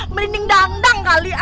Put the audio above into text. merinding dangdang kali ah